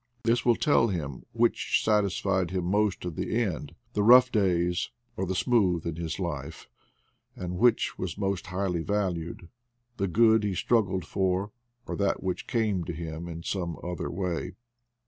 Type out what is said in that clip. This will tell him which satisfied him most in the end— the rough days or 80 IDLE DAYS IN PATAGONIA . the smooth in his life ; and which was most highly valued — the good he struggled for or that which came to him in some other way.